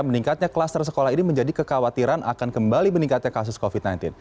meningkatnya kluster sekolah ini menjadi kekhawatiran akan kembali meningkatnya kasus covid sembilan belas